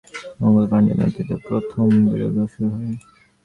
পশ্চিম বাংলার ব্যারাকপুরে সিপাহি মঙ্গল পাণ্ডের নেতৃত্বে প্রথম বিদ্রোহ শুরু হয়।